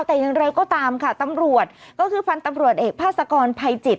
แต่อย่างไรก็ตามค่ะตำรวจก็คือพันธุ์ตำรวจเอกภาษากรภัยจิต